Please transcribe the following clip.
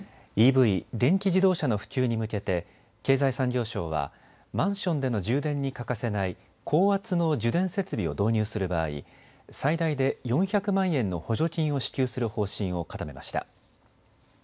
ＥＶ・電気自動車の普及に向けて経済産業省はマンションでの充電に欠かせない高圧の受電設備を導入する場合、最大で４００万円の補助金を支給する方針を固めました。